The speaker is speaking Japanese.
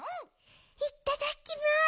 いただきま。